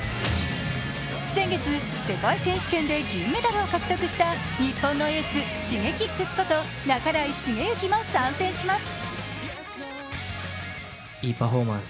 先月、世界選手権で銀メダルを獲得した日本のエース・Ｓｈｉｇｅｋｉｘこと半井重幸も参戦します。